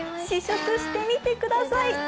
試食してみてください。